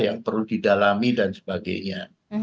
yang perlu didalami dan sebagainya